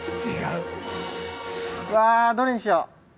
うわどれにしよう。